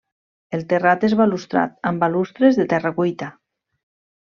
El terrat és balustrat, amb balustres de terra cuita.